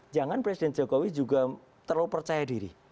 jangan presiden jokowi juga terlalu percaya diri